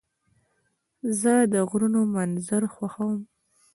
زه د غرونو منظر خوښوم.